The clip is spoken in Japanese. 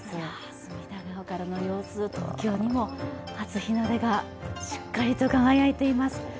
隅田川からの様子、東京にも初日の出がしっかりと輝いています。